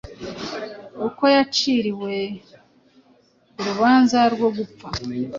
uko yaciriwe urubanza rwo gupfa